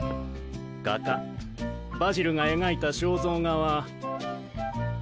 画家バジルが描いた肖像画は。